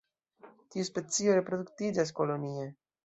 Tiu specio reproduktiĝas kolonie.